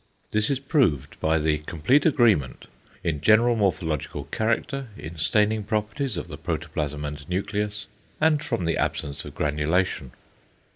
This is proved by the complete agreement in general morphological character, in staining properties of the protoplasm and nucleus, and from the absence of granulation.